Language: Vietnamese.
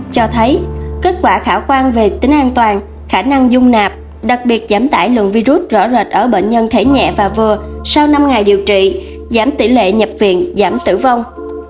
cho thấy kết quả khả quan về tính an toàn khả năng dung nạp đặc biệt giảm tải lượng virus rõ rệt ở bệnh nhân thể nhẹ và vừa sau năm ngày điều trị giảm tỷ lệ nhập viện giảm tử vong